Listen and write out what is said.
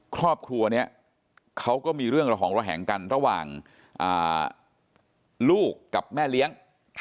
ครอบครัวนี้เขาก็มีเรื่องระหองระแหงกันระหว่างลูกกับแม่เลี้ยง